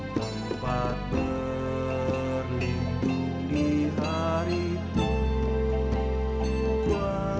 tempat berlindung di hari tua